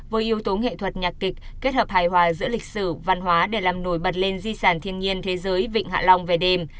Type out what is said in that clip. với yếu tố nghệ thuật nhạc kịch kết hợp hài hòa giữa lịch sử văn hóa để làm nổi bật lên di sản thiên nhiên thế giới vịnh hạ long về đêm